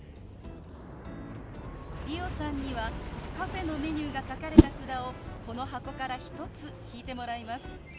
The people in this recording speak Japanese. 理央さんにはカフェのメニューが書かれた札をこの箱から１つ引いてもらいます。